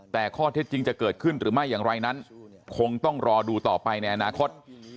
แต่ข้อเท็จจริงจะเกิดขึ้นหรือไม่อย่างไรนั้นคงต้องรอดูต่อไปในอนาคต